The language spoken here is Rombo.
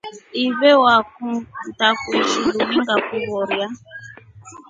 Ifele waku ntakuishhi lunu ngakuloria.